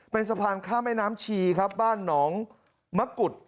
เป็นสะพานข้ามแม่น้ำชีครับบ้านหนองมะกุฎ